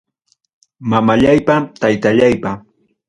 Mamallaypa, taytallaypa.